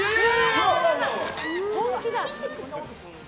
本気だ！